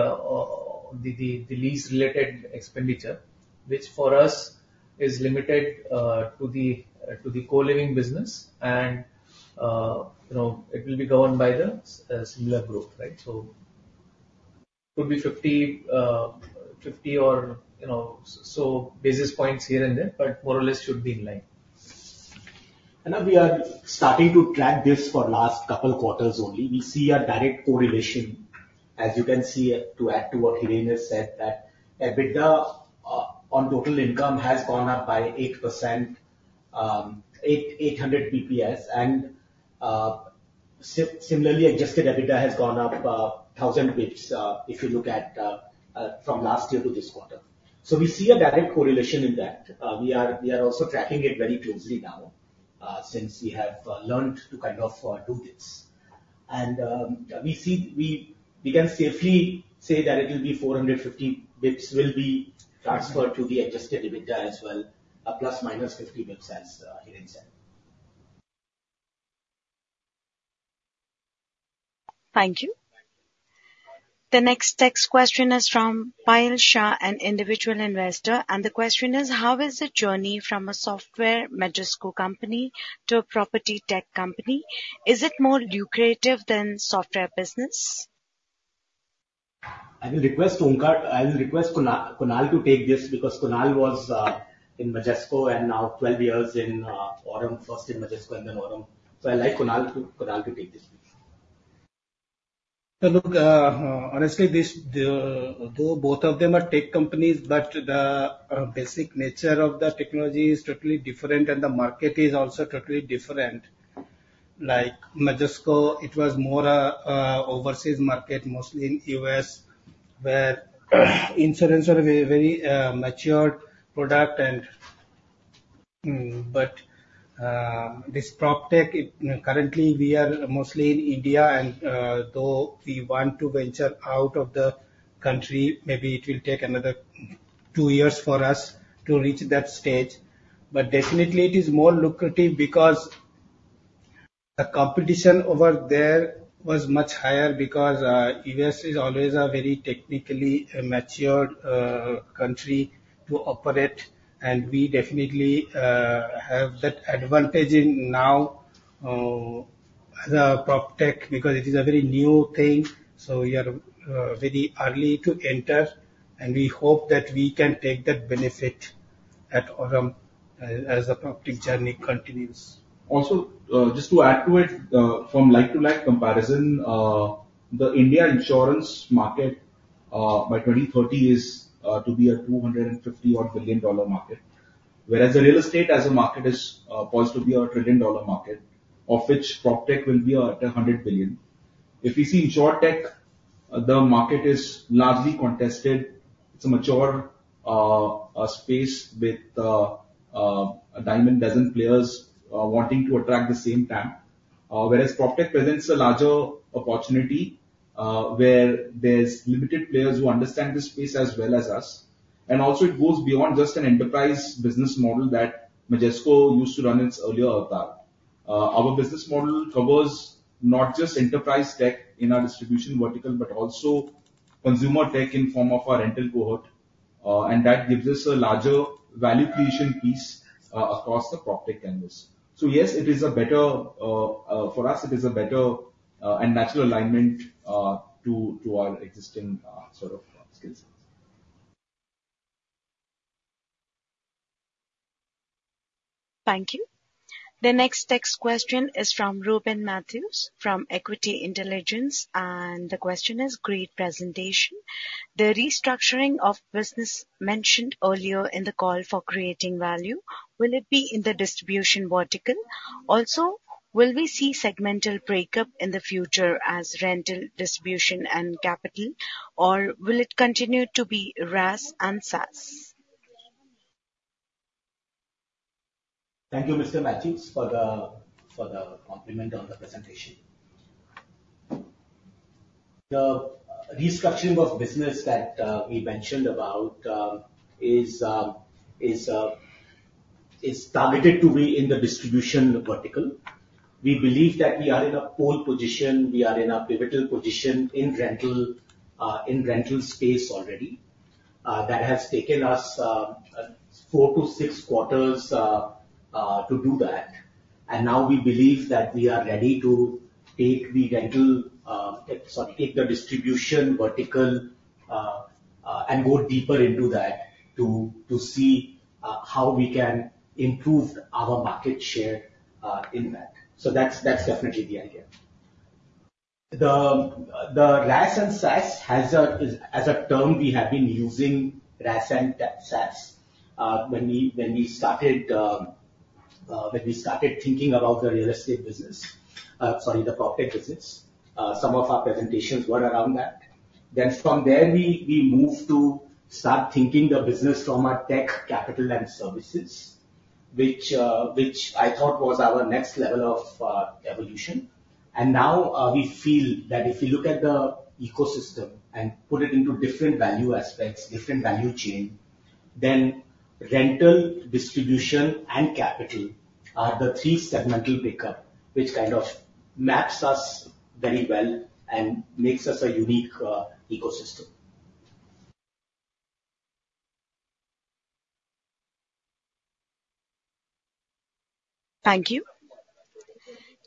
lease-related expenditure, which for us is limited to the co-living business and, you know, it will be governed by the similar growth, right? could be 50, 50 or, you know, so basis points here and there, but more or less should be in line. Now we are starting to track this for last couple quarters only. We see a direct correlation, as you can see, to add to what Hiren has said, that EBITDA on total income has gone up by 8%, 800 basis points. And similarly, Adjusted EBITDA has gone up 1,000 basis points, if you look at from last year to this quarter. So we see a direct correlation in that. We are also tracking it very closely now since we have learned to kind of do this. And we see. We can safely say that it will be 450 basis points will be transferred to the Adjusted EBITDA as well, ±50 basis points, as Hiren said. Thank you. The next text question is from Payal Shah, an individual investor, and the question is: How is the journey from a software Majesco company to a property tech company? Is it more lucrative than software business? I will request Onkar, I will request Kunal, Kunal to take this, because Kunal was, in Majesco and now 12 years in, Aurum, first in Majesco and then Aurum. So I'd like Kunal to, Kunal to take this. So look, honestly, this, though both of them are tech companies, but the basic nature of the technology is totally different, and the market is also totally different. Like Majesco, it was more a overseas market, mostly in US, where insurance is a very mature product and, but this PropTech, it, currently we are mostly in India, and though we want to venture out of the country, maybe it will take another two years for us to reach that stage. But definitely it is more lucrative because the competition over there was much higher, because, U.S. is always a very technically, mature, country to operate, and we definitely, have that advantage in now, the PropTech, because it is a very new thing, so we are, very early to enter, and we hope that we can take that benefit at Aurum as, as the PropTech journey continues. Also, just to add to it, from like-for-like comparison, the India insurance market, by 2030 is to be a $250-odd billion market. Whereas the real estate as a market is poised to be a $1 trillion market, of which PropTech will be a $100 billion. If you see InsurTech, the market is largely contested. It's a mature space with a dime a dozen players wanting to attract the same clientele. Whereas PropTech presents a larger opportunity, where there's limited players who understand this space as well as us. And also it goes beyond just an enterprise business model that Majesco used to run in its earlier avatar. Our business model covers not just enterprise tech in our distribution vertical, but also consumer tech in form of our rental cohort, and that gives us a larger value creation piece, across the PropTech canvas. So yes, it is a better, for us, it is a better, and natural alignment, to, to our existing, sort of skills. Thank you. The next text question is from Reuben Mathews, from Equity Intelligence, and the question is: Great presentation. The restructuring of business mentioned earlier in the call for creating value, will it be in the distribution vertical? Also, will we see segmental breakup in the future as rental, distribution, and capital, or will it continue to be RaaS and SaaS? Thank you, Mr. Matthews, for the, for the compliment on the presentation. The restructuring of business that we mentioned about is targeted to be in the distribution vertical. We believe that we are in a pole position, we are in a pivotal position in rental space already. That has taken us four to six quarters to do that. And now we believe that we are ready to take the rental, sorry, take the distribution vertical and go deeper into that, to see how we can improve our market share in that. So that's definitely the idea. The RaaS and SaaS, as a term, we have been using RaaS and SaaS when we started thinking about the real estate business, sorry, the PropTech business, some of our presentations were around that. Then from there, we moved to start thinking the business from a tech capital and services, which I thought was our next level of evolution. Now, we feel that if you look at the ecosystem and put it into different value aspects, different value chain, then rental, distribution, and capital are the three segmental breakup, which kind of maps us very well and makes us a unique ecosystem. Thank you.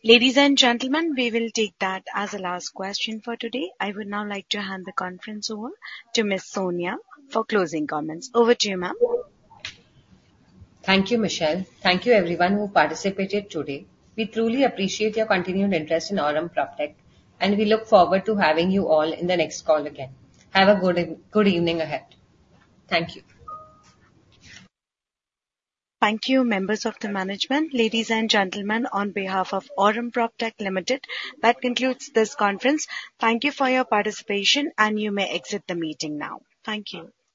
Ladies and gentlemen, we will take that as the last question for today. I would now like to hand the conference over to Miss Sonia for closing comments. Over to you, ma'am. Thank you, Michelle. Thank you everyone who participated today. We truly appreciate your continued interest in Aurum PropTech, and we look forward to having you all in the next call again. Have a good evening ahead. Thank you. Thank you, members of the management. Ladies and gentlemen, on behalf of Aurum PropTech Limited, that concludes this conference. Thank you for your participation, and you may exit the meeting now. Thank you.